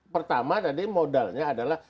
pertama tadi modalnya adalah